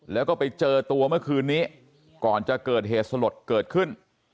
แล้วก็ไปเจอตัวเมื่อคืนนี้ก่อนจะเกิดเหตุสลดเกิดขึ้น